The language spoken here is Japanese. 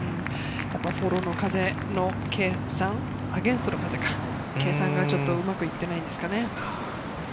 フォローの風、アゲンストの計算がちょっとうまく行ってないんですかね？